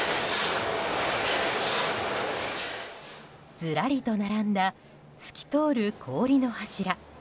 ずらりと並んだ透き通る氷の柱。